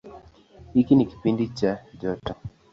Hiki ni kipindi cha joto.